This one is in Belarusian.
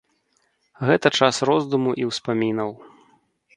Гэта час роздуму і ўспамінаў.